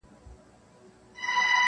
ادبي مجلسونه دا کيسه يادوي تل,